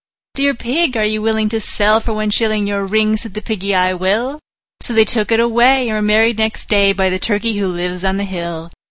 III. "Dear Pig, are you willing to sell for one shilling Your ring?" Said the Piggy, "I will." So they took it away, and were married next day By the Turkey who lives on the hill.